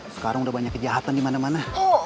sekarang udah banyak kejahatan dimana mana